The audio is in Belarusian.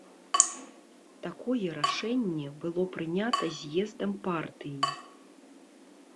Такое рашэнне было прынята з'ездам партыі.